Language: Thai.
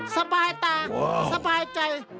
สบายตาสบายใจ